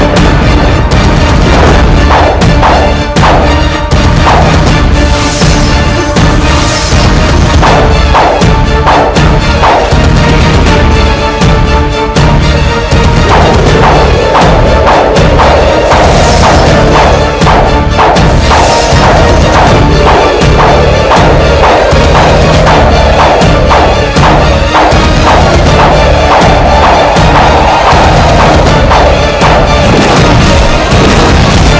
buktikanlah kesetiaanmu padaku surakarta